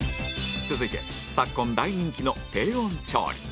続いて昨今、大人気の低温調理